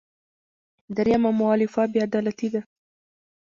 درېیمه مولفه بې عدالتي ده.